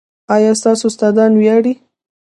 ایا ستاسو استادان ویاړي؟